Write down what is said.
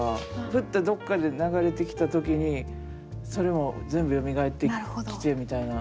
フッてどっかで流れてきた時にそれも全部よみがえってきてみたいな。